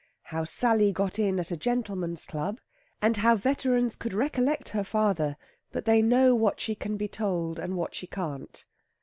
HOW SALLY GOT IN AT A GENTLEMEN'S CLUB, AND HOW VETERANS COULD RECOLLECT HER FATHER. BUT THEY KNOW WHAT SHE CAN BE TOLD, AND WHAT SHE CAN'T.